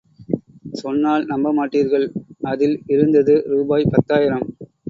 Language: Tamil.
சொன்னால் நம்ப மாட்டீர்கள் அதில் இருந்தது ரூபாய் பத்தாயிரம்.